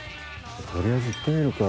とりあえず行ってみるか。